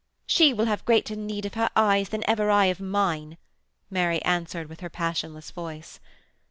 'She will have greater need of her eyes than ever I of mine,' Mary answered with her passionless voice.